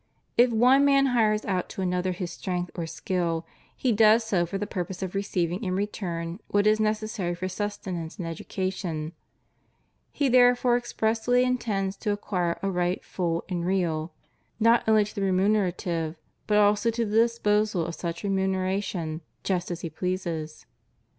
If one man hires out to another his streng th or skill, he does so for the purpose of receiving in return what is necessary for sustenance and education; he there^ fore expressly intends to acquire a right full and real, not only to the remuneration, but also to the disposal of such remuneration, just as he pleases.